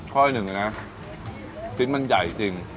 ข้ออีกหนึ่งนี่นะจิ๊มมันใหญ่จริง